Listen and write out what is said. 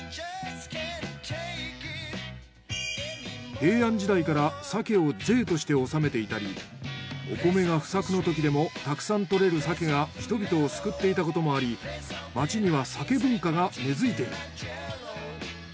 平安時代から鮭を税として納めていたりお米が不作のときでもたくさん獲れる鮭が人々を救っていたこともあり町には鮭文化が根付いている。